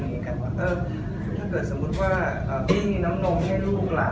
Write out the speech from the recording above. สมมุติว่าเอ้ยถ้าเกิดสมมุติว่าเอ้าช่วยนี้น้ำนมให้ลูกล่ะ